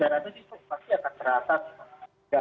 daerah itu pasti akan merata